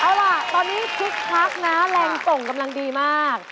เอาล่ะตอนนี้คึกคักนะแรงส่งกำลังดีมาก